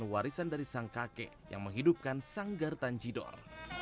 warisan dari sang kakek yang menghidupkan sanggar tanjidor